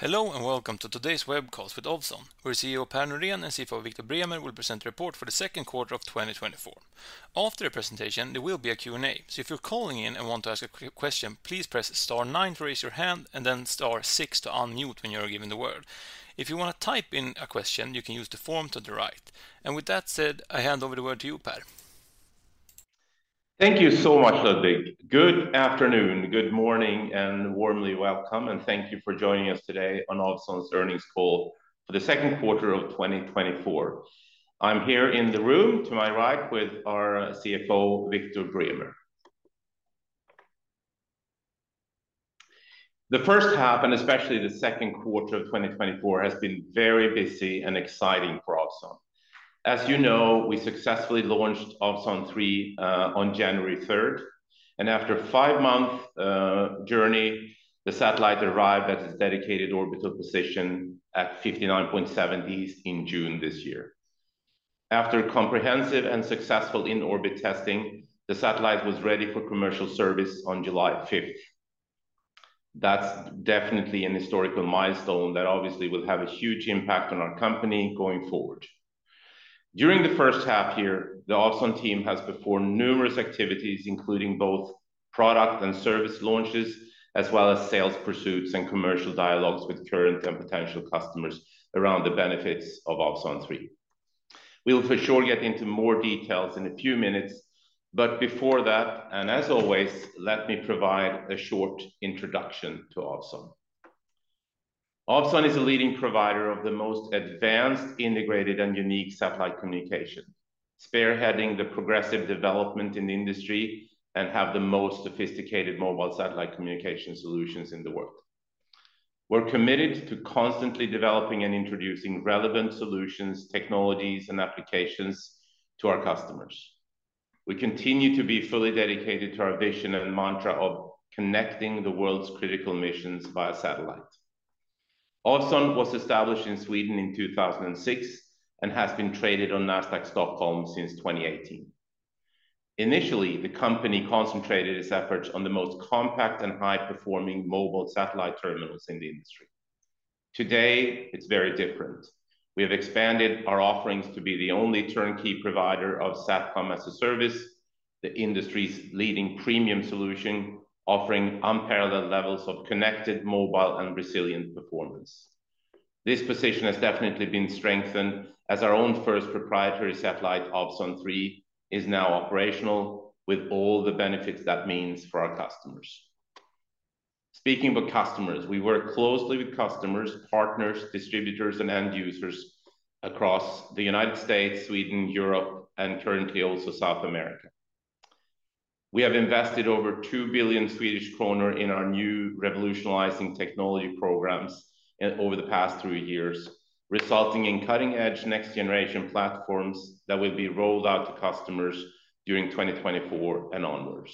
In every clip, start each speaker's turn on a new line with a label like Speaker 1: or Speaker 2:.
Speaker 1: Hello, and welcome to today's webcast with Ovzon, where CEO Per Norén and CFO Viktor Bremer will present the report for the second quarter of 2024. After the presentation, there will be a Q&A, so if you're calling in and want to ask a question, please press star nine to raise your hand and then star six to unmute when you are given the word. If you want to type in a question, you can use the form to the right. And with that said, I hand over the word to you, Per.
Speaker 2: Thank you so much, Ludvig. Good afternoon, good morning, and warmly welcome, and thank you for joining us today on Ovzon's earnings call for the second quarter of 2024. I'm here in the room to my right with our CFO, Viktor Bremer. The first half, and especially the second quarter of 2024, has been very busy and exciting for Ovzon. As you know, we successfully launched Ovzon 3 on January 3rd, and after a five-month journey, the satellite arrived at its dedicated orbital position at fifty-nine point seven east in June this year. After comprehensive and successful in-orbit testing, the satellite was ready for commercial service on July 5th. That's definitely an historical milestone that obviously will have a huge impact on our company going forward. During the first half year, the Ovzon team has performed numerous activities, including both product and service launches, as well as sales pursuits and commercial dialogues with current and potential customers around the benefits of Ovzon 3. We will for sure get into more details in a few minutes, but before that, and as always, let me provide a short introduction to Ovzon. Ovzon is a leading provider of the most advanced, integrated, and unique satellite communication, spearheading the progressive development in the industry and have the most sophisticated mobile satellite communication solutions in the world. We're committed to constantly developing and introducing relevant solutions, technologies, and applications to our customers. We continue to be fully dedicated to our vision and mantra of connecting the world's critical missions via satellite. Ovzon was established in Sweden in 2006 and has been traded on Nasdaq Stockholm since 2018. Initially, the company concentrated its efforts on the most compact and high-performing mobile satellite terminals in the industry. Today, it's very different. We have expanded our offerings to be the only turnkey provider of SATCOM-as-a-Service, the industry's leading premium solution, offering unparalleled levels of connected, mobile, and resilient performance. This position has definitely been strengthened as our own first proprietary satellite, Ovzon 3, is now operational, with all the benefits that means for our customers. Speaking of customers, we work closely with customers, partners, distributors, and end users across the United States, Sweden, Europe, and currently also South America. We have invested over 2 billion Swedish kronor in our new revolutionizing technology programs over the past three years, resulting in cutting-edge next-generation platforms that will be rolled out to customers during 2024 and onwards.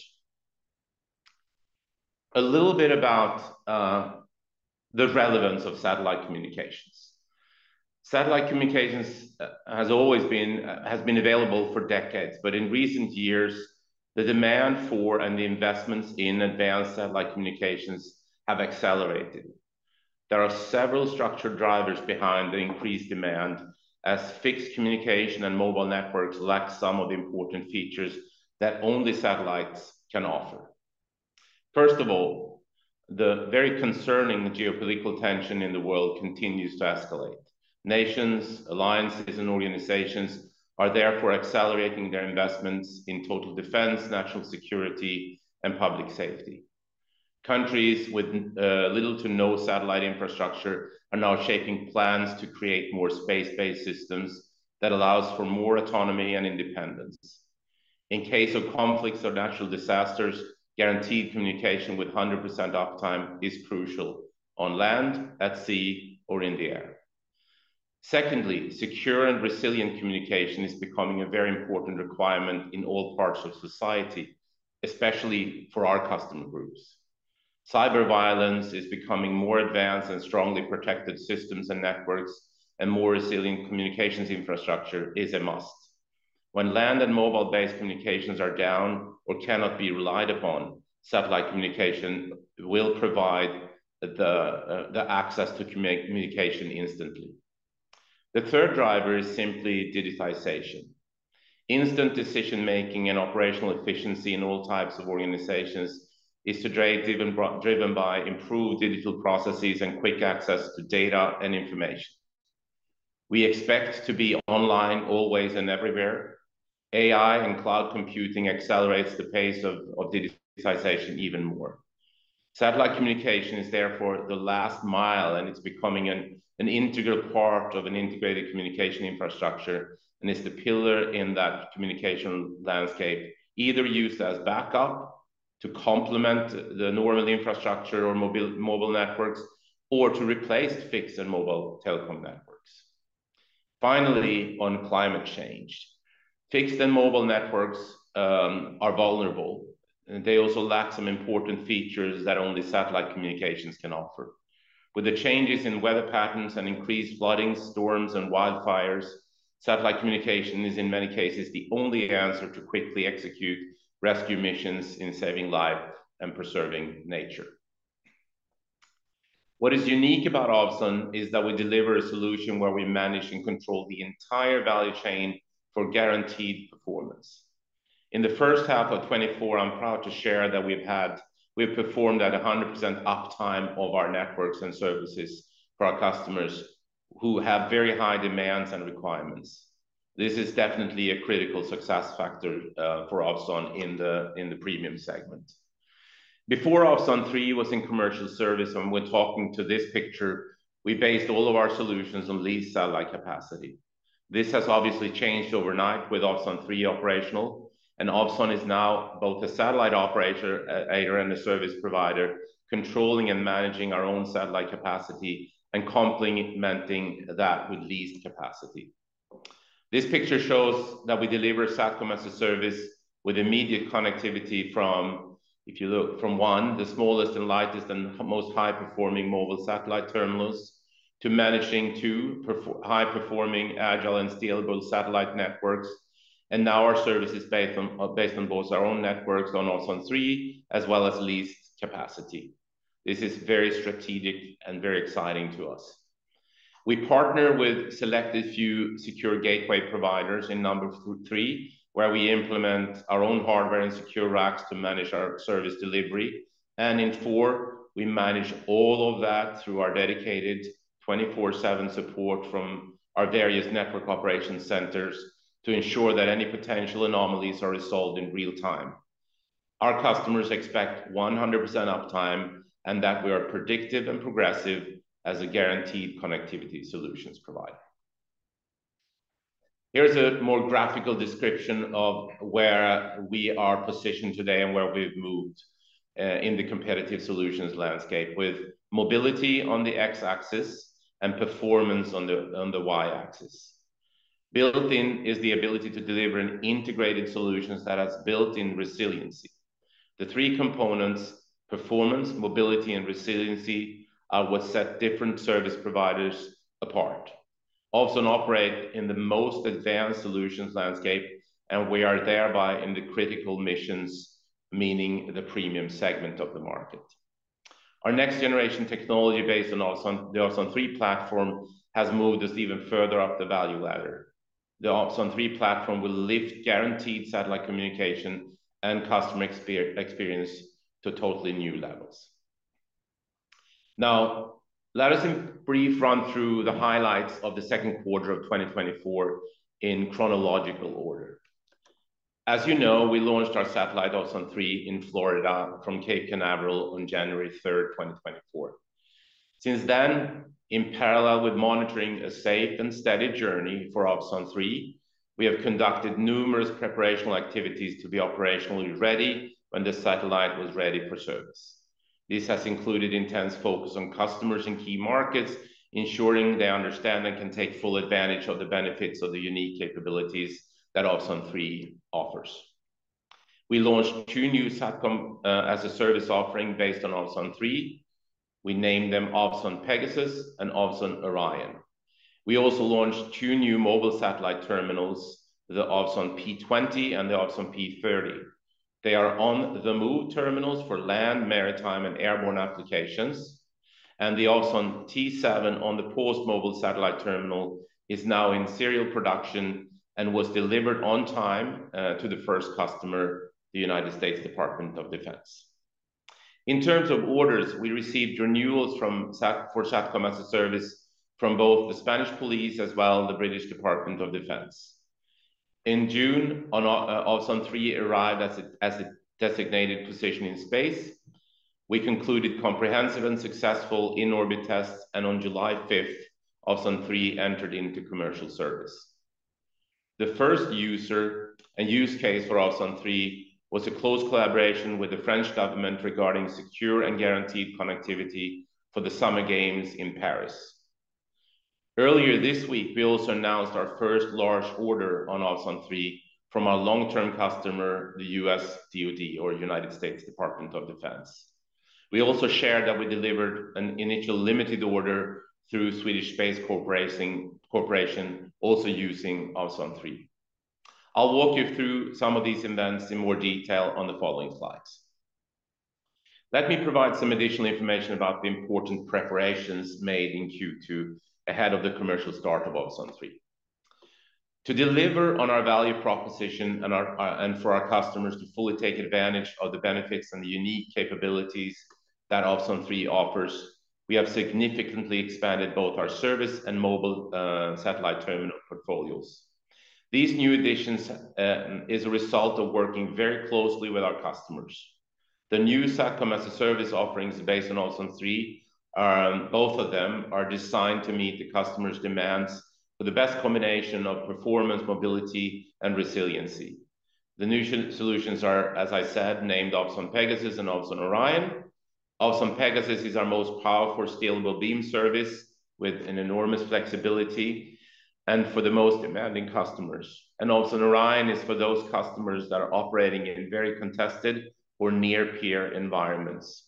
Speaker 2: A little bit about the relevance of satellite communications. Satellite communications has always been available for decades, but in recent years, the demand for and the investments in advanced satellite communications have accelerated. There are several structured drivers behind the increased demand, as fixed communication and mobile networks lack some of the important features that only satellites can offer. First of all, the very concerning geopolitical tension in the world continues to escalate. Nations, alliances, and organizations are therefore accelerating their investments in total defense, national security, and public safety. Countries with little to no satellite infrastructure are now shaping plans to create more space-based systems that allows for more autonomy and independence. In case of conflicts or natural disasters, guaranteed communication with 100% uptime is crucial on land, at sea, or in the air. Secondly, secure and resilient communication is becoming a very important requirement in all parts of society, especially for our customer groups. Cyber violence is becoming more advanced, and strongly protected systems and networks and more resilient communications infrastructure is a must. When land and mobile-based communications are down or cannot be relied upon, satellite communication will provide the access to communication instantly. The third driver is simply digitization. Instant decision-making and operational efficiency in all types of organizations is today driven by improved digital processes and quick access to data and information. We expect to be online always and everywhere. AI and cloud computing accelerates the pace of digitization even more. Satellite communication is therefore the last mile, and it's becoming an integral part of an integrated communication infrastructure, and it's the pillar in that communication landscape, either used as backup to complement the normal infrastructure or mobile, mobile networks or to replace fixed and mobile telecom networks. Finally, on climate change, fixed and mobile networks are vulnerable, and they also lack some important features that only satellite communications can offer. With the changes in weather patterns and increased flooding, storms, and wildfires. Satellite communication is, in many cases, the only answer to quickly execute rescue missions in saving lives and preserving nature. What is unique about Ovzon is that we deliver a solution where we manage and control the entire value chain for guaranteed performance. In the first half of 2024, I'm proud to share that we've performed at a 100% uptime of our networks and services for our customers who have very high demands and requirements. This is definitely a critical success factor for Ovzon in the premium segment. Before Ovzon 3 was in commercial service, and we're talking to this picture, we based all of our solutions on leased satellite capacity. This has obviously changed overnight with Ovzon 3 operational, and Ovzon is now both a satellite operator and a service provider, controlling and managing our own satellite capacity and complementing that with leased capacity. This picture shows that we deliver SATCOM-as-a-Service with immediate connectivity from, if you look from one, the smallest and lightest and most high-performing mobile satellite terminals, to managing high-performing, agile, and steerable satellite networks. Now our service is based on both our own networks on Ovzon 3, as well as leased capacity. This is very strategic and very exciting to us. We partner with selected few secure gateway providers in number three, where we implement our own hardware and secure racks to manage our service delivery. In four, we manage all of that through our dedicated twenty-four/seven support from our various network operation centers to ensure that any potential anomalies are resolved in real time. Our customers expect 100% uptime and that we are predictive and progressive as a guaranteed connectivity solutions provider. Here's a more graphical description of where we are positioned today and where we've moved in the competitive solutions landscape, with mobility on the X-axis and performance on the Y-axis. Built in is the ability to deliver an integrated solution that has built-in resiliency. The three components, performance, mobility, and resiliency, what set different service providers apart. Ovzon operate in the most advanced solutions landscape, and we are thereby in the critical missions, meaning the premium segment of the market. Our next generation technology based on Ovzon, the Ovzon 3 platform, has moved us even further up the value ladder. The Ovzon 3 platform will lift guaranteed satellite communication and customer experience to totally new levels. Now, let us in brief run through the highlights of the second quarter of 2024 in chronological order. As you know, we launched our satellite, Ovzon 3, in Florida from Cape Canaveral on January third, 2024. Since then, in parallel with monitoring a safe and steady journey for Ovzon 3, we have conducted numerous preparational activities to be operationally ready when the satellite was ready for service. This has included intense focus on customers in key markets, ensuring they understand and can take full advantage of the benefits of the unique capabilities that Ovzon 3 offers. We launched two new SATCOM-as-a-Service offering based on Ovzon 3. We named them Ovzon Pegasus and Ovzon Orion. We also launched two new mobile satellite terminals, the Ovzon P20 and the Ovzon P30. They are on-the-move terminals for land, maritime, and airborne applications, and the Ovzon T7 on-the-pause mobile satellite terminal is now in serial production and was delivered on time to the first customer, the United States Department of Defense. In terms of orders, we received renewals for SATCOM-as-a-Service from both the Spanish Police as well as the UK Ministry of Defence. In June, Ovzon 3 arrived at a designated position in space. We concluded comprehensive and successful in-orbit tests, and on July fifth, Ovzon 3 entered into commercial service. The first user and use case for Ovzon 3 was a close collaboration with the French government regarding secure and guaranteed connectivity for the Summer Games in Paris. Earlier this week, we also announced our first large order on Ovzon 3 from our long-term customer, the US DoD, or United States Department of Defense. We also shared that we delivered an initial limited order through Swedish Space Corporation, also using Ovzon 3. I'll walk you through some of these events in more detail on the following slides. Let me provide some additional information about the important preparations made in Q2 ahead of the commercial start of Ovzon 3. To deliver on our value proposition and our, and for our customers to fully take advantage of the benefits and the unique capabilities that Ovzon 3 offers, we have significantly expanded both our service and mobile, satellite terminal portfolios. These new additions is a result of working very closely with our customers. The new SATCOM-as-a-Service offerings based on Ovzon 3, both of them are designed to meet the customers' demands for the best combination of performance, mobility, and resiliency. The new solutions are, as I said, named Ovzon Pegasus and Ovzon Orion. Ovzon Pegasus is our most powerful, steerable beam service with an enormous flexibility and for the most demanding customers. Ovzon Orion is for those customers that are operating in very contested or near peer environments.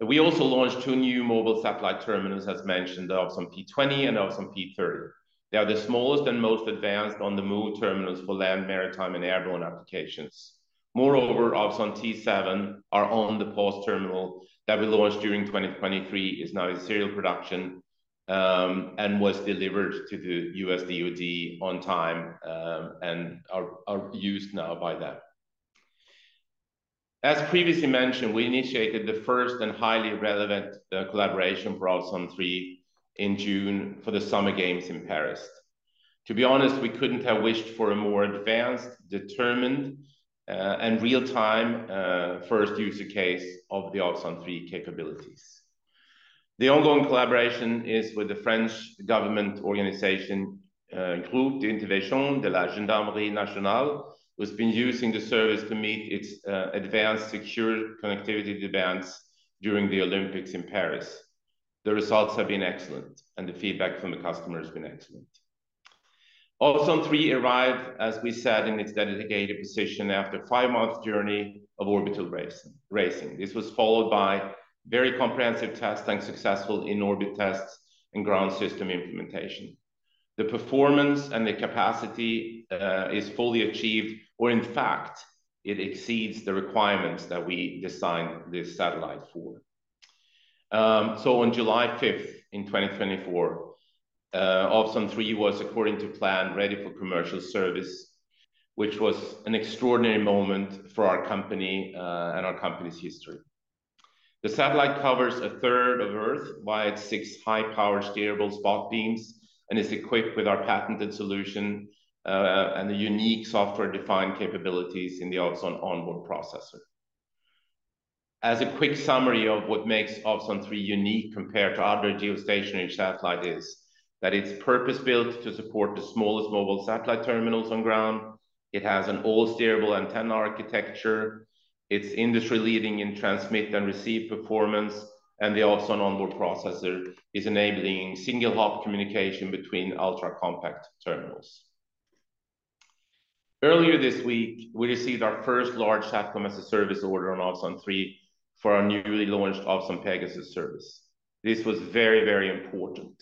Speaker 2: We also launched two new mobile satellite terminals, as mentioned, the Ovzon P20 and Ovzon P30. They are the smallest and most advanced on-the-move terminals for land, maritime, and airborne applications. Moreover, Ovzon T7, our on-the-pause terminal that we launched during 2023, is now in serial production, and was delivered to the US DoD on time, and are used now by them. As previously mentioned, we initiated the first and highly relevant collaboration for Ovzon 3 in June for the Summer Games in Paris. To be honest, we couldn't have wished for a more advanced, determined, and real-time first use case of the Ovzon 3 capabilities. The ongoing collaboration is with the French government organization, Groupe d'intervention de la Gendarmerie nationale, who's been using the service to meet its, advanced secure connectivity demands during the Olympics in Paris. The results have been excellent, and the feedback from the customer has been excellent. Ovzon 3 arrived, as we said, in its dedicated position after a five-month journey of orbital raising. This was followed by very comprehensive tests and successful in-orbit tests and ground system implementation. The performance and the capacity, is fully achieved, or in fact, it exceeds the requirements that we designed this satellite for, so on July fifth, in 2024, Ovzon 3 was, according to plan, ready for commercial service, which was an extraordinary moment for our company, and our company's history. The satellite covers a third of Earth by its six high-power steerable spot beams and is equipped with our patented solution, and the unique software-defined capabilities in the Ovzon 3 onboard processor. As a quick summary of what makes Ovzon 3 unique compared to other geostationary satellite is, that it's purpose-built to support the smallest mobile satellite terminals on ground. It has an all-steerable antenna architecture. It's industry-leading in transmit and receive performance, and the Ovzon 3 onboard processor is enabling single-hop communication between ultra-compact terminals. Earlier this week, we received our first large SATCOM-as-a-Service order on Ovzon 3 for our newly launched Ovzon Pegasus service. This was very, very important.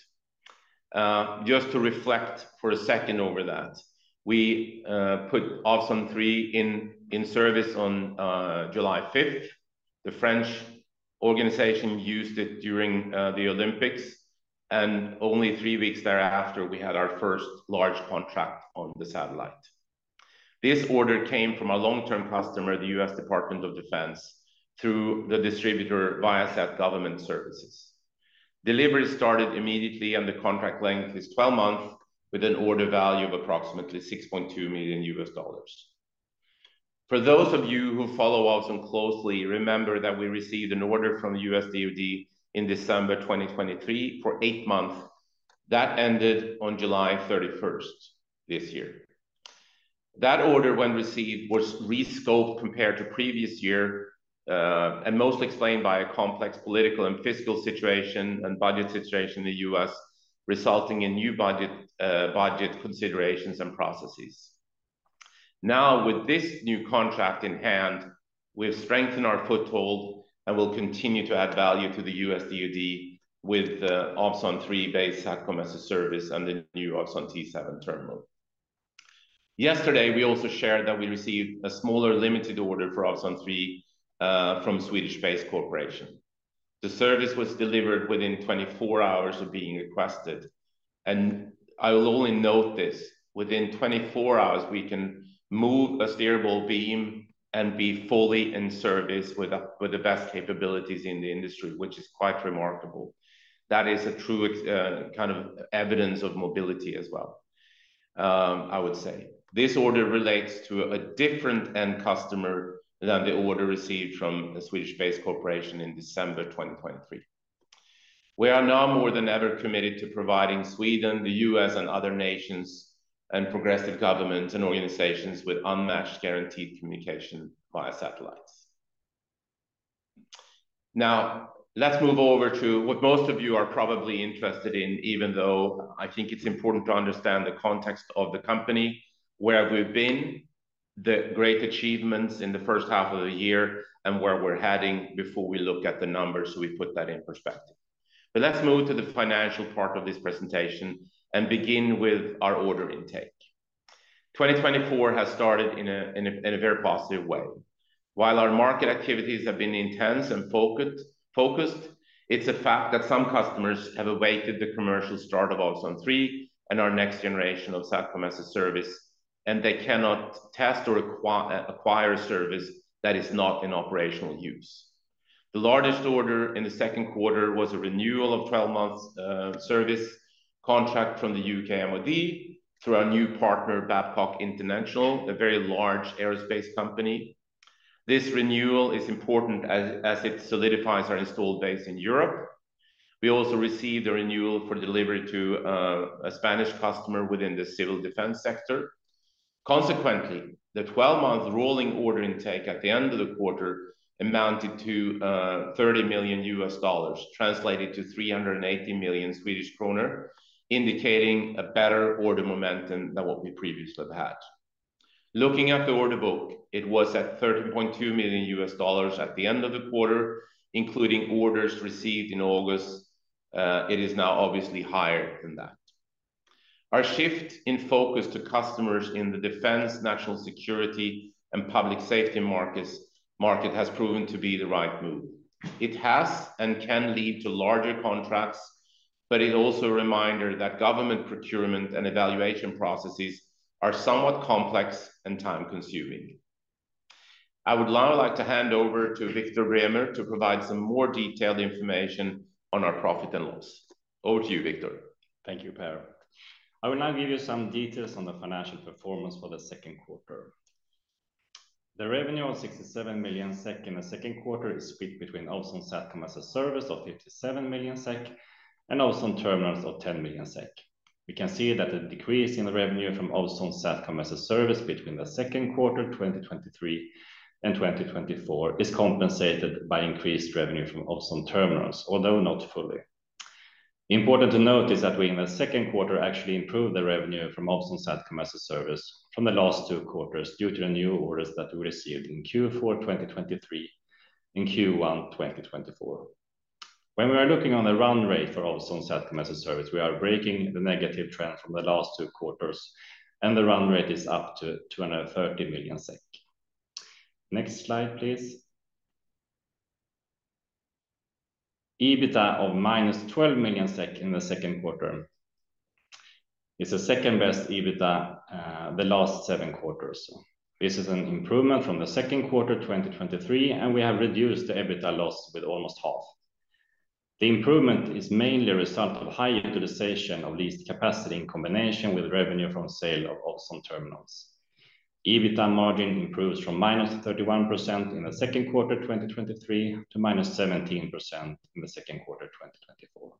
Speaker 2: Just to reflect for a second over that, we put Ovzon 3 in service on July fifth. The French organization used it during the Olympics, and only three weeks thereafter, we had our first large contract on the satellite. This order came from a long-term customer, the U.S. Department of Defense, through the distributor Viasat Government Services. Delivery started immediately, and the contract length is twelve months, with an order value of approximately $6.2 million. For those of you who follow Ovzon 3 closely, remember that we received an order from the U.S. DoD in December 2023 for eight months. That ended on July 31st this year. That order, when received, was re-scoped compared to previous year, and mostly explained by a complex political and fiscal situation and budget situation in the U.S., resulting in new budget considerations and processes. Now, with this new contract in hand, we've strengthened our foothold and will continue to add value to the US DoD with the Ovzon 3-based SATCOM-as-a-Service and the new Ovzon T7 terminal. Yesterday, we also shared that we received a smaller, limited order for Ovzon 3 from Swedish Space Corporation. The service was delivered within 24 hours of being requested, and I will only note this, within 24 hours, we can move a steerable beam and be fully in service with the best capabilities in the industry, which is quite remarkable. That is a true example of mobility as well, I would say. This order relates to a different end customer than the order received from the Swedish Space Corporation in December 2023. We are now more than ever committed to providing Sweden, the US, and other nations and progressive governments and organizations with unmatched, guaranteed communication via satellites. Now, let's move over to what most of you are probably interested in, even though I think it's important to understand the context of the company, where we've been, the great achievements in the first half of the year, and where we're heading before we look at the numbers, so we put that in perspective. But let's move to the financial part of this presentation and begin with our order intake. 2024 has started in a very positive way. While our market activities have been intense and focused, it's a fact that some customers have awaited the commercial start of Ovzon 3 and our next generation of SATCOM-as-a-Service, and they cannot test or acquire a service that is not in operational use. The largest order in the second quarter was a renewal of twelve months service contract from the UK MoD through our new partner, Babcock International, a very large aerospace company. This renewal is important as it solidifies our installed base in Europe. We also received a renewal for delivery to a Spanish customer within the civil defense sector. Consequently, the twelve-month rolling order intake at the end of the quarter amounted to $30 million, translated to 380 million Swedish kroner, indicating a better order momentum than what we previously had. Looking at the order book, it was at $30.2 million at the end of the quarter, including orders received in August. It is now obviously higher than that. Our shift in focus to customers in the defense, national security, and public safety market has proven to be the right move. It has and can lead to larger contracts, but it's also a reminder that government procurement and evaluation processes are somewhat complex and time-consuming. I would now like to hand over to Viktor Bremer to provide some more detailed information on our profit and loss. Over to you, Viktor.
Speaker 3: Thank you, Per. I will now give you some details on the financial performance for the second quarter. The revenue of 67 million SEK in the second quarter is split between Ovzon SATCOM-as-a-Service of 57 million SEK, and Ovzon Terminals of 10 million SEK. We can see that the decrease in the revenue from Ovzon SATCOM-as-a-Service between the second quarter 2023 and 2024 is compensated by increased revenue from Ovzon Terminals, although not fully. Important to note is that we, in the second quarter, actually improved the revenue from Ovzon SATCOM-as-a-Service from the last two quarters due to the new orders that we received in Q4 2023 and Q1 2024. When we are looking on the run rate for Ovzon SATCOM-as-a-Service, we are breaking the negative trend from the last two quarters, and the run rate is up to 230 million SEK. Next slide, please. EBITDA of -12 million SEK in the second quarter is the second-best EBITDA, the last seven quarters. This is an improvement from the second quarter 2023, and we have reduced the EBITDA loss with almost half. The improvement is mainly a result of high utilization of leased capacity in combination with revenue from sale of Ovzon Terminals. EBITDA margin improves from -31% in the second quarter 2023 to -17% in the second quarter 2024.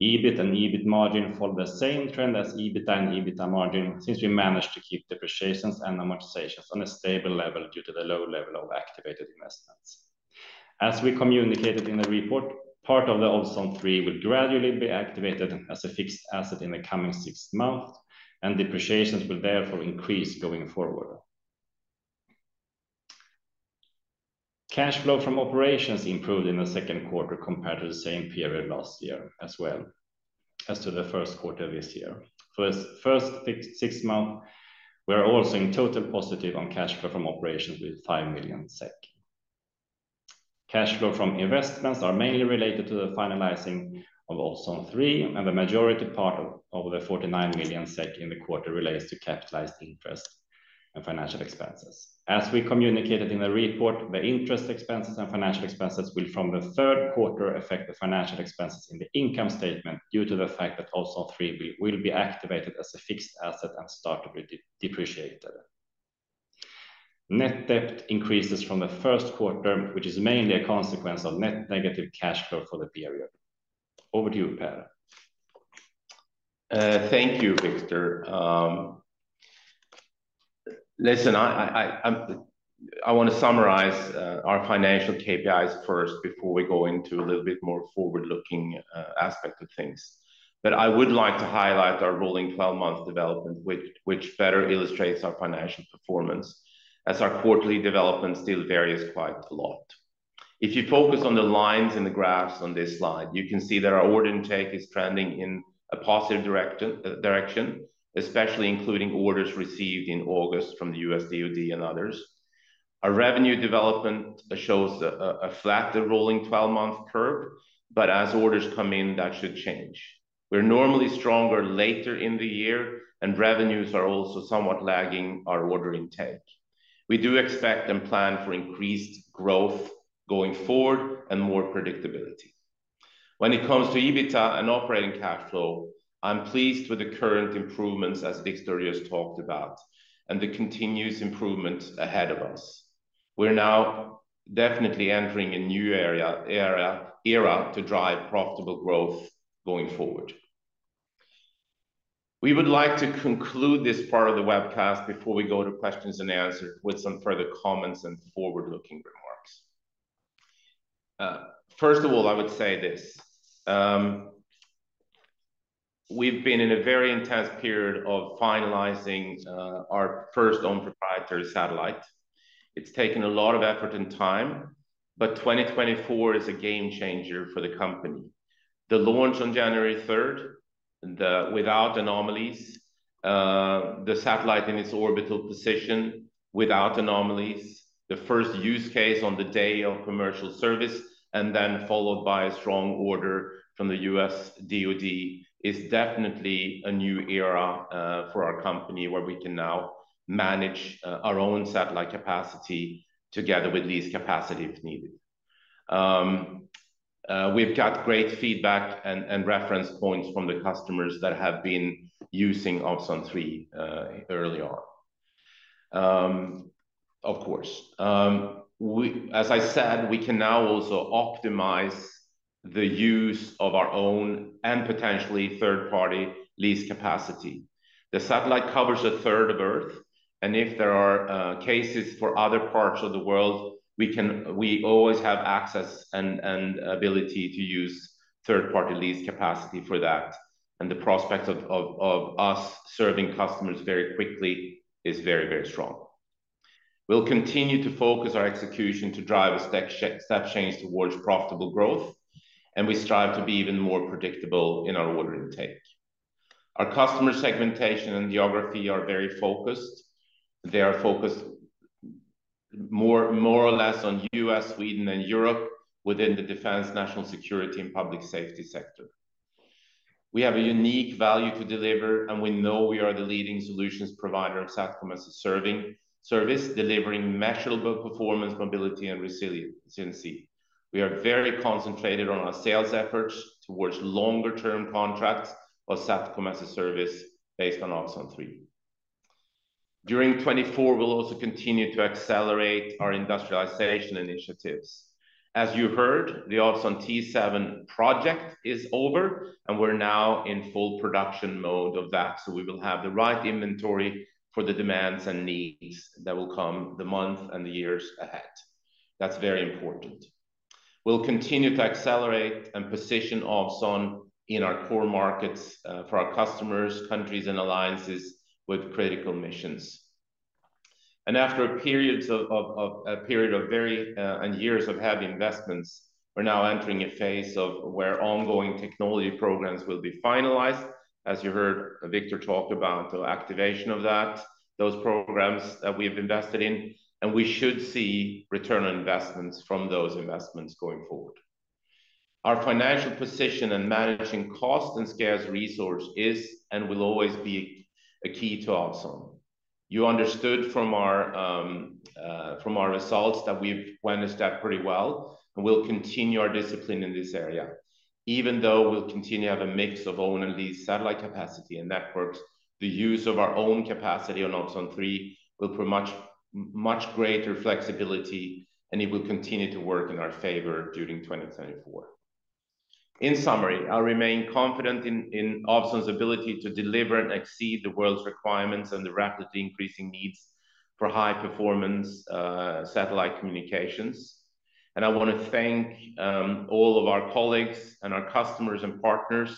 Speaker 3: EBIT and EBIT margin follow the same trend as EBITDA and EBITDA margin, since we managed to keep depreciations and amortizations on a stable level due to the low level of activated investments. As we communicated in the report, part of the Ovzon 3 will gradually be activated as a fixed asset in the coming six months, and depreciations will therefore increase going forward. Cash flow from operations improved in the second quarter compared to the same period last year, as well as to the first quarter this year. For the first six months, we are also in total positive on cash flow from operations with 5 million SEK. Cash flow from investments are mainly related to the finalizing of Ovzon 3, and the majority part of the 49 million SEK in the quarter relates to capitalized interest and financial expenses. As we communicated in the report, the interest expenses and financial expenses will, from the third quarter, affect the financial expenses in the income statement due to the fact that Ovzon 3 will be activated as a fixed asset and start to be depreciated. Net debt increases from the first quarter, which is mainly a consequence of net negative cash flow for the period. Over to you, Per.
Speaker 2: Thank you, Viktor. I want to summarize our financial KPIs first before we go into a little bit more forward-looking aspect of things. But I would like to highlight our rolling twelve-month development, which better illustrates our financial performance, as our quarterly development still varies quite a lot. If you focus on the lines in the graphs on this slide, you can see that our order intake is trending in a positive direction, especially including orders received in August from the US DoD and others. Our revenue development shows a flatter rolling twelve-month curve, but as orders come in, that should change. We're normally stronger later in the year, and revenues are also somewhat lagging our order intake. We do expect and plan for increased growth going forward and more predictability. When it comes to EBITDA and operating cash flow, I'm pleased with the current improvements, as Viktor just talked about, and the continuous improvement ahead of us. We're now definitely entering a new era to drive profitable growth going forward. We would like to conclude this part of the webcast before we go to questions and answers with some further comments and forward-looking remarks. First of all, I would say this, we've been in a very intense period of finalizing our first own proprietary satellite. It's taken a lot of effort and time, but 2024 is a game changer for the company. The launch on January third without anomalies, the satellite in its orbital position without anomalies, the first use case on the day of commercial service, and then followed by a strong order from the US DoD, is definitely a new era for our company, where we can now manage our own satellite capacity together with leased capacity, if needed. We've got great feedback and reference points from the customers that have been using Ovzon 3 early on, of course. As I said, we can now also optimize the use of our own and potentially third-party leased capacity. The satellite covers a third of Earth, and if there are cases for other parts of the world, we always have access and ability to use third-party lease capacity for that, and the prospect of us serving customers very quickly is very strong. We'll continue to focus our execution to drive a step change towards profitable growth, and we strive to be even more predictable in our order intake. Our customer segmentation and geography are very focused. They are focused more or less on U.S, Sweden, and Europe within the defense, national security, and public safety sector. We have a unique value to deliver, and we know we are the leading solutions provider of SATCOM-as-a-Service, delivering measurable performance, mobility, and resiliency. We are very concentrated on our sales efforts towards longer term contracts or SATCOM-as-a-Service based on Ovzon 3. During 2024, we'll also continue to accelerate our industrialization initiatives. As you heard, the Ovzon T7 project is over, and we're now in full production mode of that, so we will have the right inventory for the demands and needs that will come the month and the years ahead. That's very important. We'll continue to accelerate and position Ovzon in our core markets for our customers, countries, and alliances with critical missions. And after periods of a period of very and years of heavy investments, we're now entering a phase of where ongoing technology programs will be finalized. As you heard Viktor talk about the activation of that, those programs that we've invested in, and we should see return on investments from those investments going forward. Our financial position and managing cost and scarce resource is and will always be a key to Ovzon. You understood from our results that we've managed that pretty well, and we'll continue our discipline in this area. Even though we'll continue to have a mix of own and lease satellite capacity and networks, the use of our own capacity on Ovzon 3 will provide much, much greater flexibility, and it will continue to work in our favor during 2024. In summary, I remain confident in Ovzon's ability to deliver and exceed the world's requirements and the rapidly increasing needs for high-performance satellite communications. And I want to thank all of our colleagues and our customers and partners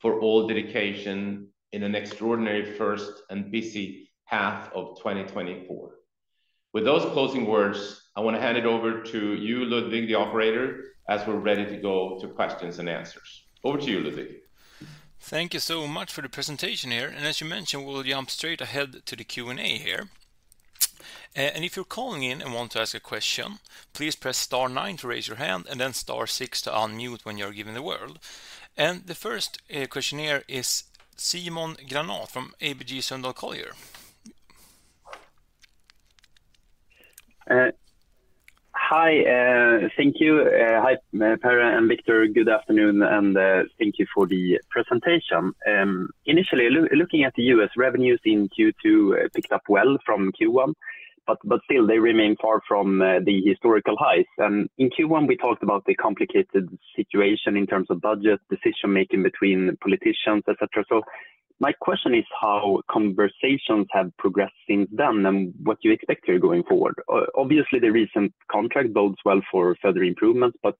Speaker 2: for all dedication in an extraordinary first and busy half of 2024. With those closing words, I want to hand it over to you, Ludvig, the operator, as we're ready to go to questions and answers. Over to you, Ludvig.
Speaker 1: Thank you so much for the presentation here, and as you mentioned, we'll jump straight ahead to the Q&A here. And if you're calling in and want to ask a question, please press star nine to raise your hand and then star six to unmute when you're given the word. And the first question here is Simon Granath from ABG Sundal Collier.
Speaker 4: Hi, thank you. Hi, Per and Viktor. Good afternoon, and thank you for the presentation. Initially, looking at the U.S. revenues in Q2 picked up well from Q1, but still they remain far from the historical highs. In Q1, we talked about the complicated situation in terms of budget, decision-making between politicians, et cetera. So my question is how conversations have progressed since then and what you expect here going forward. Obviously, the recent contract bodes well for further improvements, but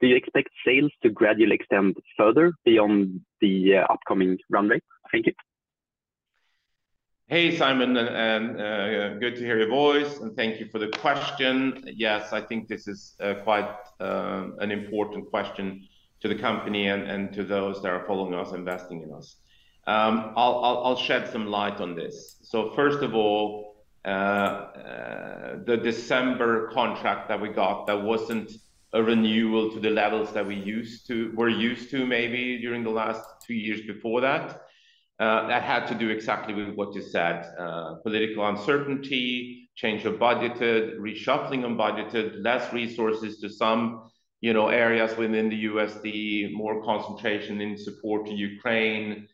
Speaker 4: do you expect sales to gradually extend further beyond the upcoming runway? Thank you.
Speaker 2: Hey, Simon, and good to hear your voice, and thank you for the question. Yes, I think this is quite an important question to the company and to those that are following us, investing in us. I'll shed some light on this. So first of all, the December contract that we got, that wasn't a renewal to the levels that we used to, were used to maybe during the last two years before that, that had to do exactly with what you said. Political uncertainty, change of budgeted, reshuffling of budgeted, less resources to some, you know, areas within the U.S. DoD, more concentration in support to Ukraine,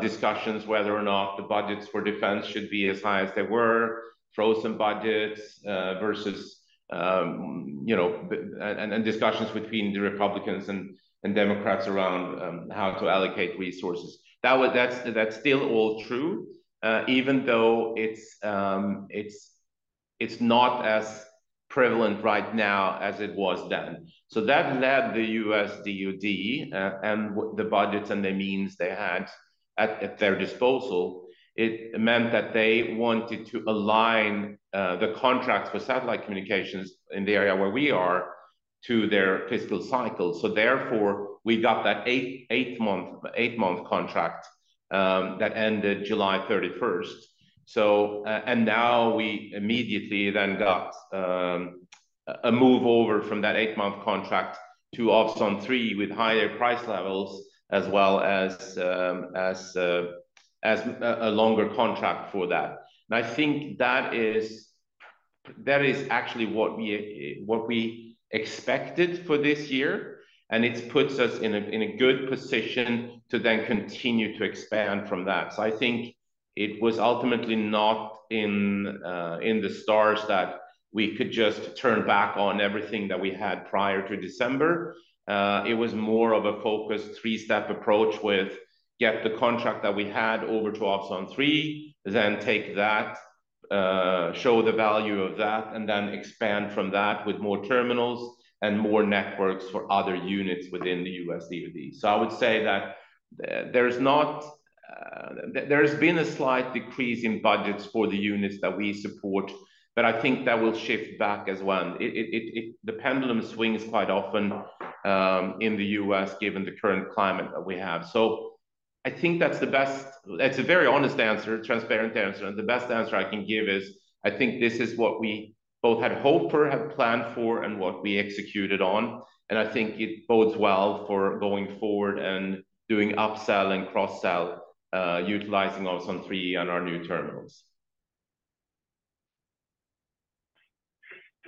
Speaker 2: discussions whether or not the budgets for defense should be as high as they were, frozen budgets, versus, you know, and discussions between the Republicans and Democrats around how to allocate resources. That was, that's still all true, even though it's not as prevalent right now as it was then. So that led the U.S. DoD and the budgets and the means they had at their disposal. It meant that they wanted to align the contracts for satellite communications in the area where we are to their fiscal cycle. So therefore, we got that eight-month contract that ended July 31st. And now we immediately then got a move over from that eight-month contract to Ovzon 3 with higher price levels as well as a longer contract for that. And I think that is actually what we expected for this year, and it puts us in a good position to then continue to expand from that. I think it was ultimately not in the stars that we could just turn back on everything that we had prior to December. It was more of a focused three-step approach with get the contract that we had over to Ovzon 3, then take that show the value of that, and then expand from that with more terminals and more networks for other units within the U.S. DoD. I would say that there has been a slight decrease in budgets for the units that we support, but I think that will shift back as well. The pendulum swings quite often in the U.S., given the current climate that we have. I think that's the best. It's a very honest answer, transparent answer, and the best answer I can give is, I think this is what we both had hoped for, had planned for, and what we executed on, and I think it bodes well for going forward and doing upsell and cross-sell, utilizing our Ovzon 3 on our new terminals.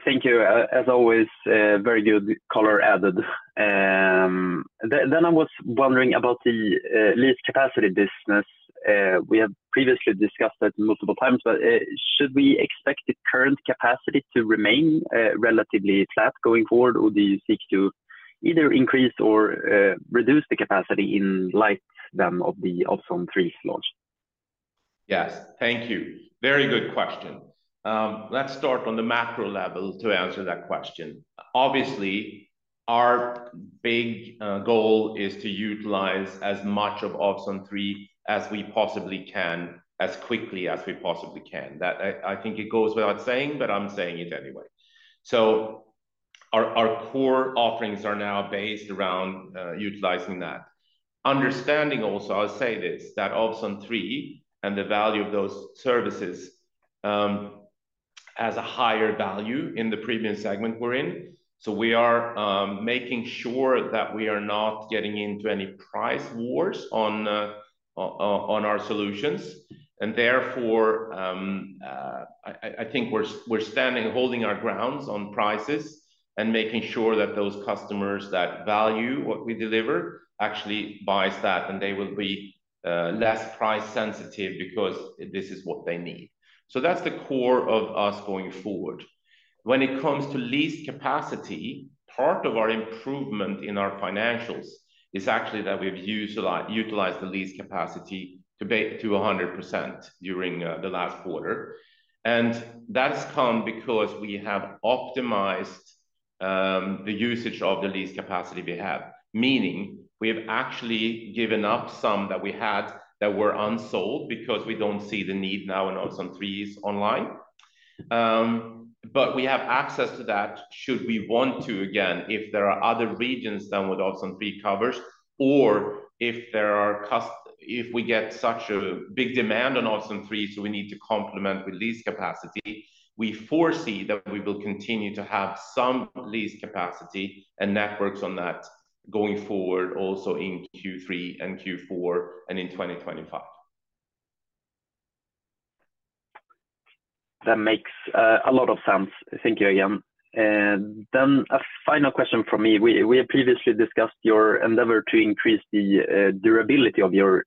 Speaker 4: Thank you. As always, very good color added. I was wondering about the lease capacity business. We have previously discussed that multiple times, but should we expect the current capacity to remain relatively flat going forward? Or do you seek to either increase or reduce the capacity in light of the Ovzon 3 launch?
Speaker 2: Yes. Thank you. Very good question. Let's start on the macro level to answer that question. Obviously, our big goal is to utilize as much of Ovzon 3 as we possibly can, as quickly as we possibly can. That, I think it goes without saying, but I'm saying it anyway. So our core offerings are now based around utilizing that. Understanding also, I'll say this, that Ovzon 3 and the value of those services has a higher value in the premium segment we're in. So we are making sure that we are not getting into any price wars on our solutions. And therefore, I think we're standing, holding our grounds on prices and making sure that those customers that value what we deliver actually buys that, and they will be less price sensitive because this is what they need. So that's the core of us going forward. When it comes to lease capacity, part of our improvement in our financials is actually that we've utilized the lease capacity to 100% during the last quarter. And that's come because we have optimized the usage of the lease capacity we have. Meaning, we have actually given up some that we had that were unsold because we don't see the need now when Ovzon 3 is online. But we have access to that, should we want to, again, if there are other regions than what Ovzon 3 covers, or if we get such a big demand on Ovzon 3, so we need to complement with lease capacity, we foresee that we will continue to have some lease capacity and networks on that going forward also in Q3 and Q4 and in 2025.
Speaker 4: That makes a lot of sense. Thank you again. And then a final question from me. We have previously discussed your endeavor to increase the durability of your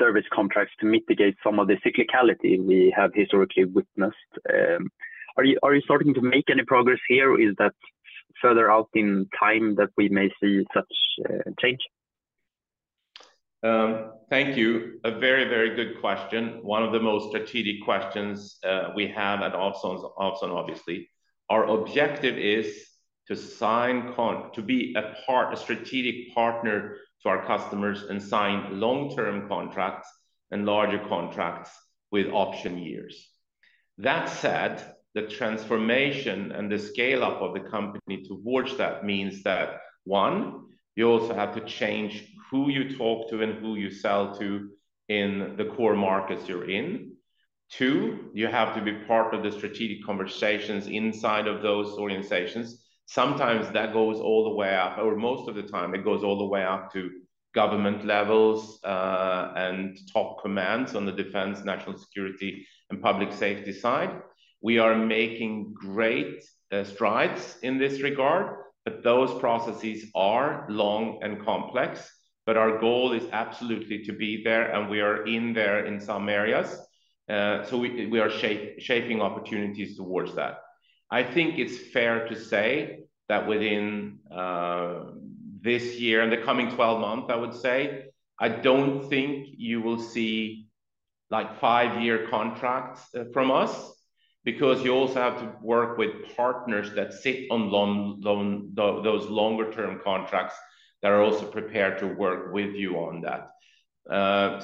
Speaker 4: service contracts to mitigate some of the cyclicality we have historically witnessed. Are you starting to make any progress here, or is that further out in time that we may see such change?
Speaker 2: Thank you. A very, very good question. One of the most strategic questions we have at Ovzon, obviously. Our objective is to sign to be a part, a strategic partner to our customers and sign long-term contracts and larger contracts with option years. That said, the transformation and the scale-up of the company towards that means that, one, you also have to change who you talk to and who you sell to in the core markets you're in. Two, you have to be part of the strategic conversations inside of those organizations. Sometimes that goes all the way up, or most of the time, it goes all the way up to government levels and top commands on the defense, national security, and public safety side. We are making great strides in this regard, but those processes are long and complex. But our goal is absolutely to be there, and we are in there in some areas. So we are shaping opportunities towards that. I think it's fair to say that within this year, in the coming 12 months, I would say, I don't think you will see, like, five-year contracts from us, because you also have to work with partners that sit on long those longer term contracts that are also prepared to work with you on that.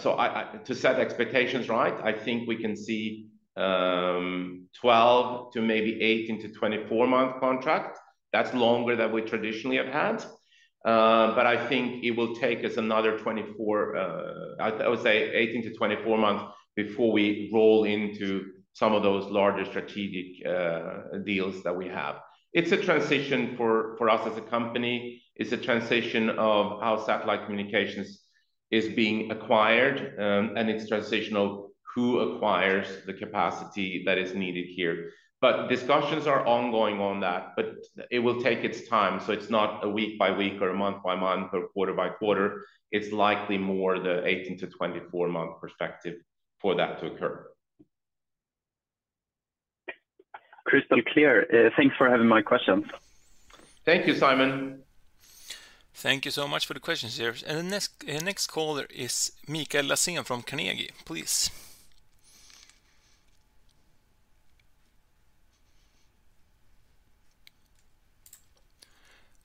Speaker 2: So to set expectations right, I think we can see 12 to maybe 18 to 24-month contract. That's longer than we traditionally have had. But I think it will take us another 24 I would say 18 to 24 months before we roll into some of those larger strategic deals that we have. It's a transition for us as a company. It's a transition of how satellite communications is being acquired, and it's transition of who acquires the capacity that is needed here. But discussions are ongoing on that, but it will take its time, so it's not a week by week or month by month or quarter by quarter. It's likely more the 18- to 24-month perspective for that to occur.
Speaker 4: crystal clear. Thanks for having my questions.
Speaker 2: Thank you, Simon.
Speaker 1: Thank you so much for the questions here. And the next caller is Mikael Laséen from Carnegie, please.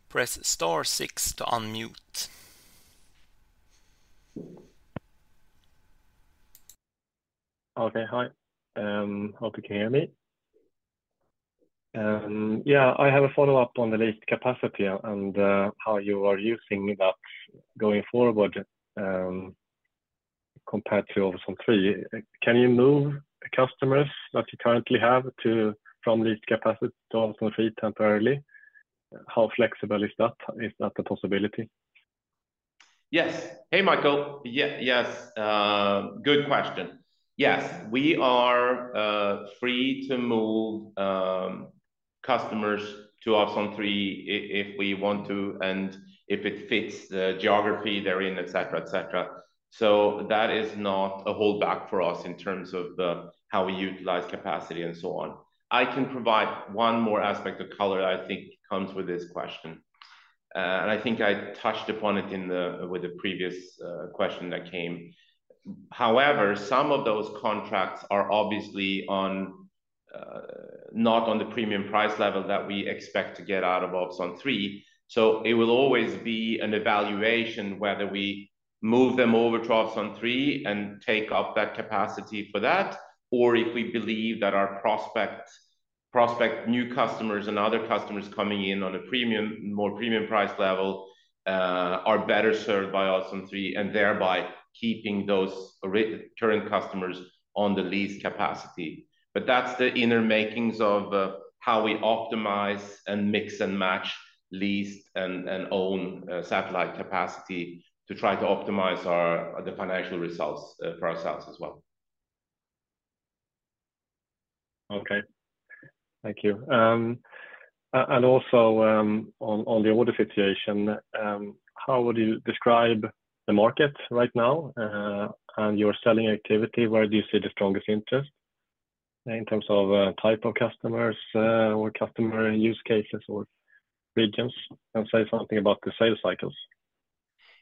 Speaker 1: press star six to unmute.
Speaker 5: Okay, hi. Hope you can hear me. Yeah, I have a follow-up on the leased capacity and how you are using that going forward, compared to Ovzon 3. Can you move customers that you currently have to, from leased capacity to Ovzon 3 temporarily? How flexible is that? Is that a possibility?
Speaker 2: Yes. Hey, Mikael. Yes, good question. Yes, we are free to move customers to Ovzon 3 if we want to and if it fits the geography they're in, et cetera, et cetera. So that is not a holdback for us in terms of how we utilize capacity and so on. I can provide one more aspect of color that I think comes with this question. And I think I touched upon it with the previous question that came. However, some of those contracts are obviously on, not on the premium price level that we expect to get out of Ovzon 3, so it will always be an evaluation whether we move them over to Ovzon 3 and take up that capacity for that, or if we believe that our prospective new customers and other customers coming in on a premium, more premium price level are better served by Ovzon 3, and thereby keeping those current customers on the leased capacity, but that's the inner makings of how we optimize and mix and match leased and own satellite capacity to try to optimize our financial results for ourselves as well.
Speaker 5: Okay. Thank you. And also, on the order situation, how would you describe the market right now, and your selling activity? Where do you see the strongest interest in terms of, type of customers, or customer use cases or regions, and say something about the sales cycles?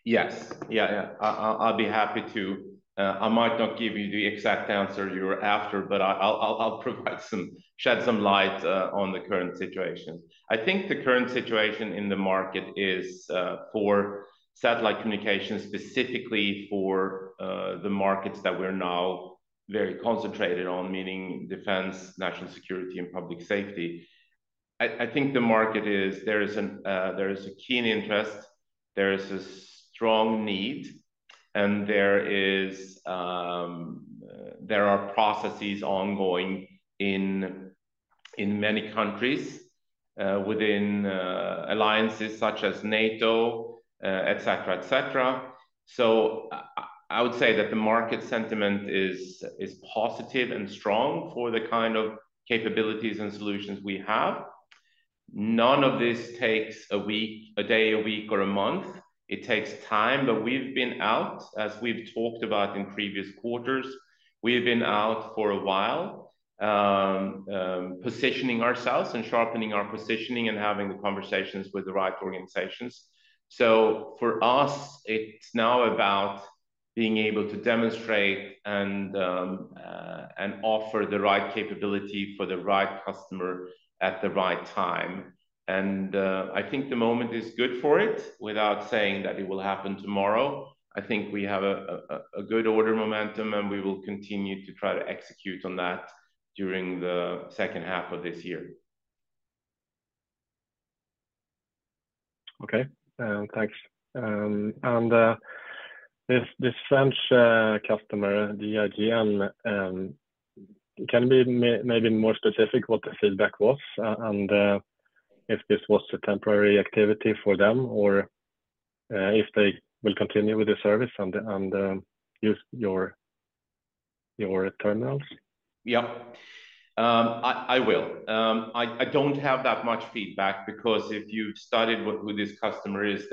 Speaker 2: Yes. Yeah, yeah. I'll be happy to. I might not give you the exact answer you were after, but I'll provide some, shed some light on the current situation. I think the current situation in the market is for satellite communications, specifically for the markets that we're now very concentrated on, meaning defense, national security, and public safety. I think the market is. There is a keen interest, there is a strong need, and there are processes ongoing in many countries within alliances such as NATO, et cetera, et cetera. So I would say that the market sentiment is positive and strong for the kind of capabilities and solutions we have. None of this takes a week, a day, a week, or a month. It takes time, but we've been out, as we've talked about in previous quarters, we've been out for a while, positioning ourselves and sharpening our positioning and having the conversations with the right organizations. So for us, it's now about being able to demonstrate and offer the right capability for the right customer at the right time. And I think the moment is good for it, without saying that it will happen tomorrow. I think we have a good order momentum, and we will continue to try to execute on that during the second half of this year.
Speaker 5: Okay, thanks, and this French customer, the GIGN, can you be maybe more specific what the feedback was, and if this was a temporary activity for them, or if they will continue with the service and use your terminals?
Speaker 2: Yeah. I will. I don't have that much feedback because if you've studied what, who this customer is,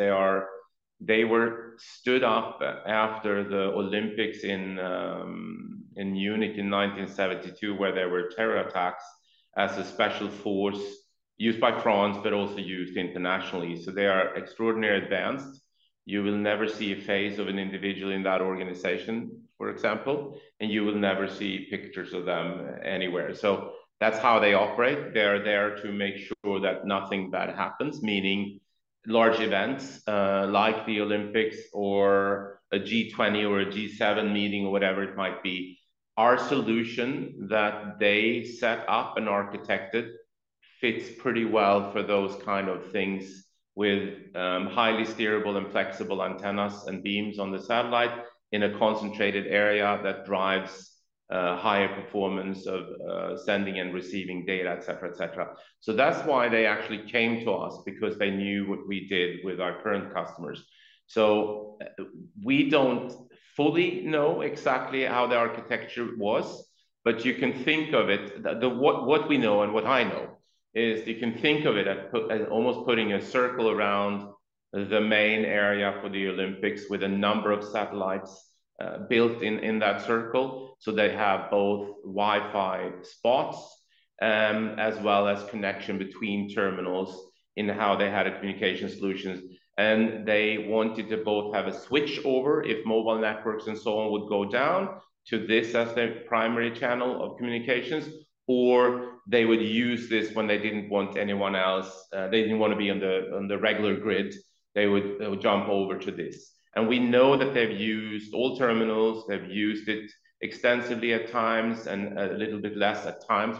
Speaker 2: they were stood up after the Olympics in Munich in 1972, where there were terror attacks, as a special force used by France, but also used internationally. So they are extraordinarily advanced. You will never see a face of an individual in that organization, for example, and you will never see pictures of them anywhere. So that's how they operate. They're there to make sure that nothing bad happens, meaning large events like the Olympics or a G20 or a G7 meeting, or whatever it might be. Our solution that they set up and architected fits pretty well for those kind of things with highly steerable and flexible antennas and beams on the satellite in a concentrated area that drives higher performance of sending and receiving data, et cetera, et cetera. So that's why they actually came to us, because they knew what we did with our current customers. So we don't fully know exactly how the architecture was, but you can think of it as what we know and what I know is you can think of it as almost putting a circle around the main area for the Olympics, with a number of satellites built in that circle. So they have both Wi-Fi spots as well as connection between terminals in how they had a communication solutions. They wanted to both have a switchover if mobile networks and so on would go down to this as their primary channel of communications, or they would use this when they didn't want anyone else. They didn't wanna be on the regular grid. They would jump over to this. We know that they've used all terminals. They've used it extensively at times and a little bit less at times.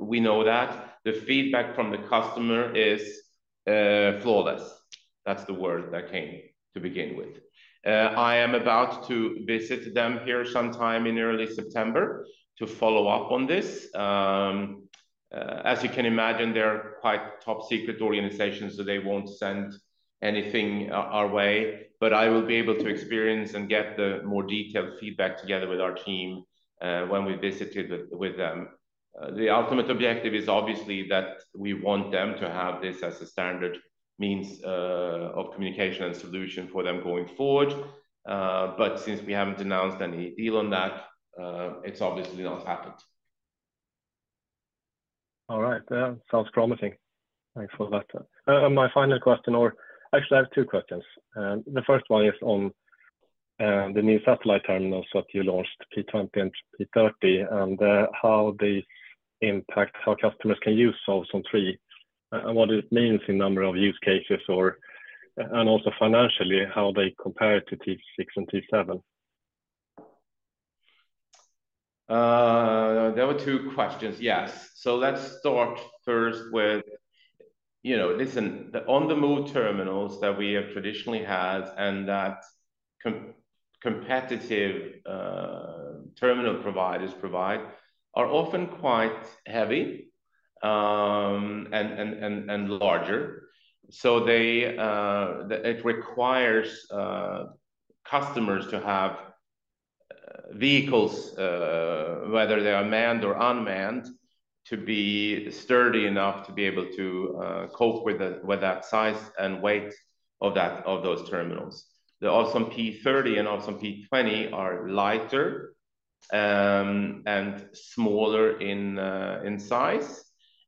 Speaker 2: We know that. The feedback from the customer is flawless. That's the word that came to begin with. I am about to visit them here sometime in early September to follow up on this. As you can imagine, they're quite top-secret organization, so they won't send anything our way, but I will be able to experience and get the more detailed feedback together with our team, when we visited with them. The ultimate objective is obviously that we want them to have this as a standard means of communication and solution for them going forward, but since we haven't announced any deal on that, it's obviously not happened.
Speaker 5: All right, yeah, sounds promising. Thanks for that. My final question, or actually, I have two questions. The first one is on the new satellite terminals that you launched, P20 and P30, and how they impact how customers can use Ovzon 3, and what it means in number of use cases or, and also financially, how they compare to T6 and T7?
Speaker 2: There were two questions. Yes. So let's start first with, you know, listen, the on-the-move terminals that we have traditionally had and that competitive terminal providers provide, are often quite heavy, and larger. So they, it requires customers to have vehicles, whether they are manned or unmanned, to be sturdy enough to be able to cope with that size and weight of those terminals. The Ovzon P30 and Ovzon P20 are lighter, and smaller in size,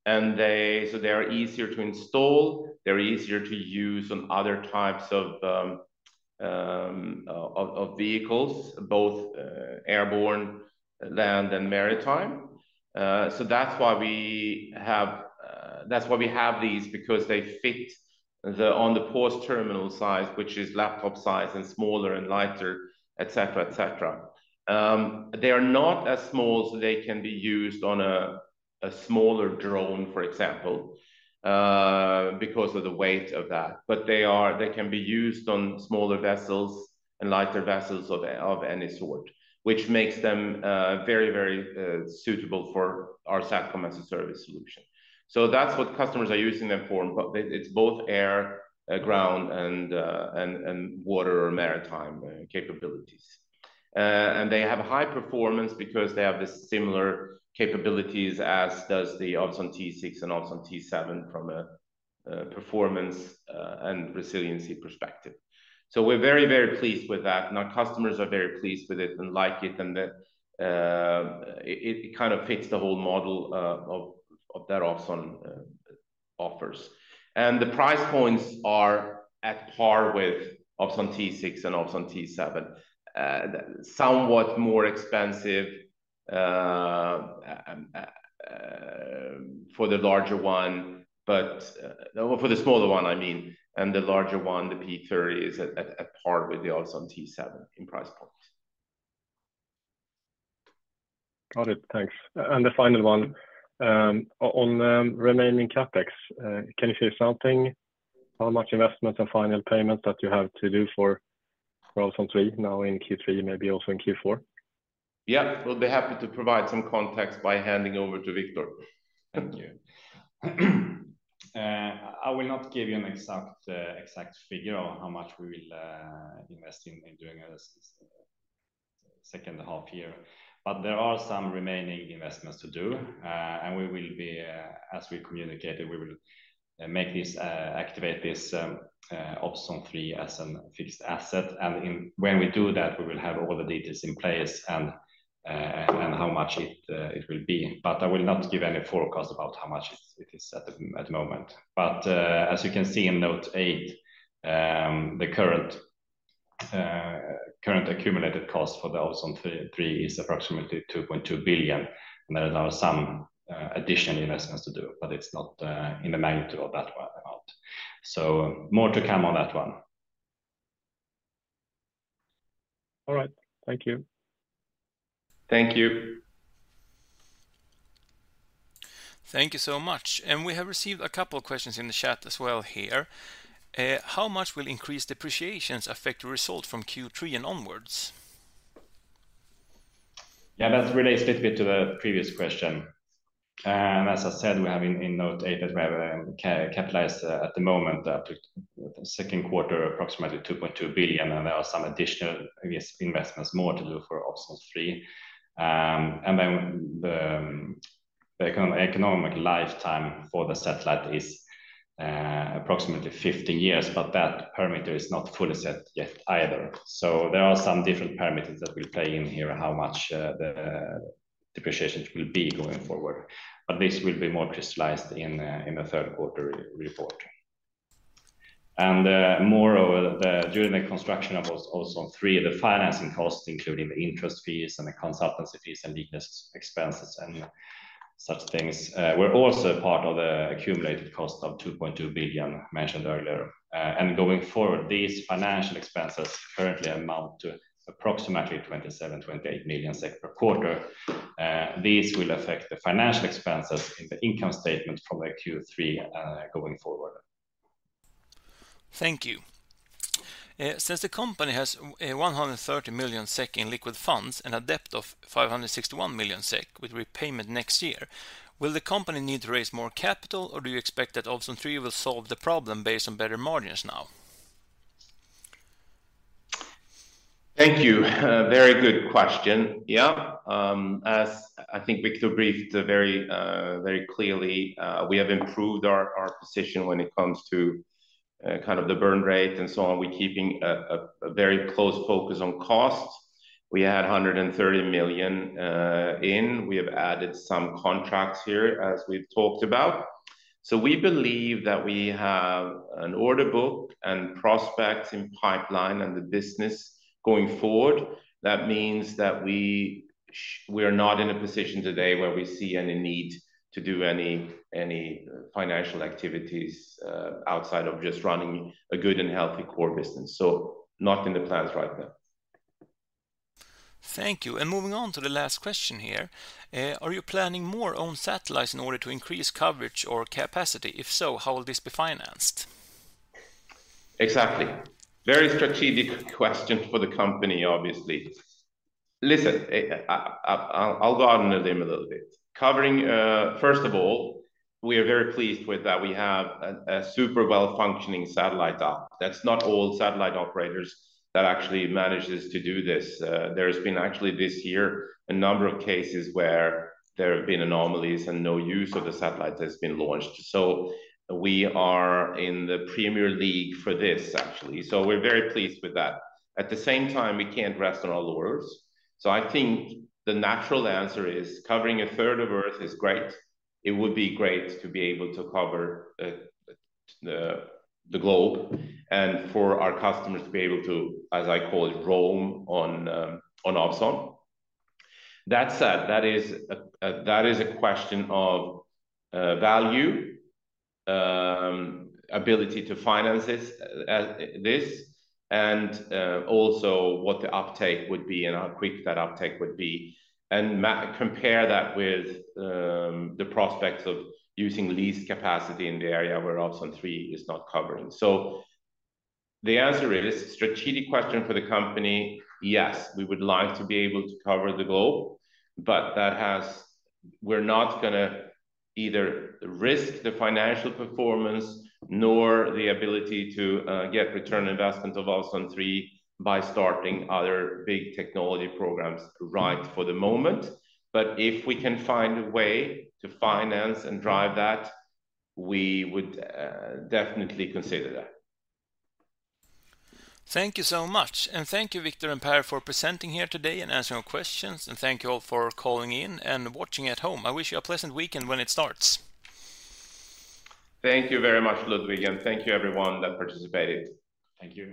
Speaker 2: and they so they are easier to install, they're easier to use on other types of vehicles, both airborne, land, and maritime. So that's why we have these, because they fit the on-the-pause terminal size, which is laptop size and smaller and lighter, et cetera, et cetera. They are not as small, so they can be used on a smaller drone, for example, because of the weight of that. But they can be used on smaller vessels and lighter vessels of any sort, which makes them very, very suitable for our SATCOM-as-a-Service solution. So that's what customers are using them for, but it, it's both air, ground, and water or maritime capabilities. And they have high performance because they have the similar capabilities as does the Ovzon T6 and Ovzon T7 from a performance and resiliency perspective. So we're very, very pleased with that, and our customers are very pleased with it and like it, and that it kind of fits the whole model of that Ovzon offers. And the price points are at par with Ovzon T6 and Ovzon T7. Somewhat more expensive for the larger one, but for the smaller one, I mean, and the larger one, the P30, is at par with the Ovzon T7 in price points.
Speaker 5: Got it. Thanks. And the final one, on the remaining CapEx, can you say something, how much investment and final payment that you have to do for Ovzon 3 now in Q3, maybe also in Q4?
Speaker 2: Yeah, we'll be happy to provide some context by handing over to Viktor.
Speaker 3: Thank you. I will not give you an exact figure on how much we will invest in during this second half year. But there are some remaining investments to do, and we will be, as we communicated, we will capitalize this Ovzon 3 as a fixed asset. When we do that, we will have all the details in place and how much it will be. But I will not give any forecast about how much it is at the moment. As you can see in note eight, the current accumulated cost for the Ovzon 3 is approximately 2.2 billion, and there are now some additional investments to do, but it's not in the magnitude of that one amount. More to come on that one.
Speaker 5: All right. Thank you.
Speaker 2: Thank you.
Speaker 1: Thank you so much. We have received a couple of questions in the chat as well here. "How much will increased depreciations affect your result from Q3 and onwards?
Speaker 3: Yeah, that relates a little bit to the previous question. And as I said, we have in, in note eight, that we have capitalized at the moment up to second quarter, approximately 2.2 billion, and there are some additional, I guess, investments more to do for Ovzon 3. And then the economic lifetime for the satellite is approximately 15 years, but that parameter is not fully set yet either. So there are some different parameters that will play in here, how much the depreciation will be going forward, but this will be more crystallized in the third quarter report. Moreover, during the construction of Ovzon 3, the financing costs, including the interest fees and the consultancy fees and legal expenses and such things, were also part of the accumulated cost of 2.2 billion mentioned earlier. Going forward, these financial expenses currently amount to approximately 27 million-28 million SEK per quarter. These will affect the financial expenses in the income statement from Q3 going forward.
Speaker 1: Thank you. Since the company has 130 million SEK in liquid funds and a debt of 561 million SEK with repayment next year, will the company need to raise more capital, or do you expect that Ovzon 3 will solve the problem based on better margins now?
Speaker 2: Thank you. Very good question. Yeah, as I think Viktor briefed very, very clearly, we have improved our position when it comes to kind of the burn rate and so on. We're keeping a very close focus on costs. We had 130 million in. We have added some contracts here, as we've talked about. So we believe that we have an order book and prospects in pipeline and the business going forward. That means that we are not in a position today where we see any need to do any financial activities outside of just running a good and healthy core business. So not in the plans right now.
Speaker 1: Thank you. Moving on to the last question here, are you planning more own satellites in order to increase coverage or capacity? If so, how will this be financed?
Speaker 2: Exactly. Very strategic question for the company, obviously. Listen, I'll go out on a limb a little bit. Covering first of all, we are very pleased with that we have a super well-functioning satellite up. That's not all satellite operators that actually manages to do this. There's been actually this year a number of cases where there have been anomalies and no use of the satellites that's been launched, so we are in the Premier League for this, actually, so we're very pleased with that. At the same time, we can't rest on our laurels, so I think the natural answer is, covering a third of Earth is great. It would be great to be able to cover the globe and for our customers to be able to, as I call it, roam on Ovzon. That said, that is a question of value, ability to finance this as this, and also what the uptake would be and how quick that uptake would be, and compare that with the prospects of using lease capacity in the area where Ovzon 3 is not covering. So the answer is, strategic question for the company. Yes, we would like to be able to cover the globe, but we're not gonna either risk the financial performance, nor the ability to get return on investment of Ovzon 3 by starting other big technology programs right for the moment. But if we can find a way to finance and drive that, we would definitely consider that.
Speaker 1: Thank you so much. And thank you, Viktor and Per, for presenting here today and answering our questions, and thank you all for calling in and watching at home. I wish you a pleasant weekend when it starts.
Speaker 2: Thank you very much, Ludvig, and thank you everyone that participated.
Speaker 3: Thank you.